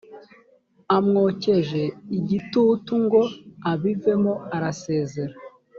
amwokeje igitutu ngo abivemo arasezera